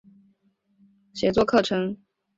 她毕业于东英吉利亚大学创意写作课程。